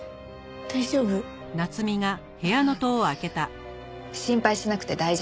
大丈夫？ああ心配しなくて大丈夫。